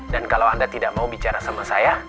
dan kalau anda tidak mau bicara sama saya